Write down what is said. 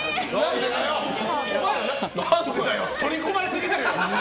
取り込まれすぎてるよ！